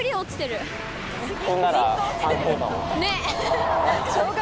ねっ。